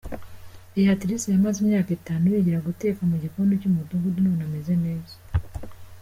Beatrice yamaze imyaka itanu yigira guteka mu gikoni cy’umudugudu none ameze neza.